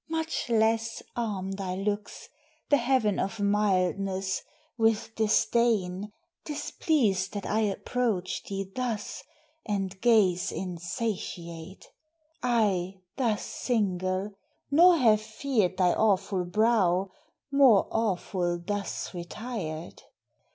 much less arm Thy looks, the Heaven of mildness, with disdain, Displeased that I approach thee thus, and gaze Insatiate; I thus single; nor have feared Thy awful brow, more awful thus retired.